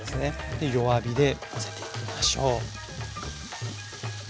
で弱火で混ぜていきましょう。